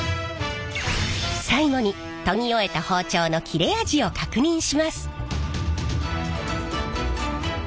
最後に研ぎ終えた包丁の切れ味を確認します。